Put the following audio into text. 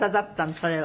それは。